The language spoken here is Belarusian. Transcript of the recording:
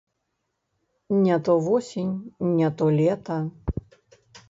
Не то восень, не то лета.